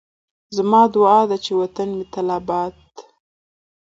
زما دعا ده چې وطن مې تل اباد